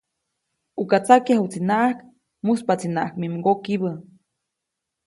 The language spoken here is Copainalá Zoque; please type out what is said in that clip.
Uka tsakyajuʼtsinaʼajk, mujspaʼtsinaʼajk mi mgokibä.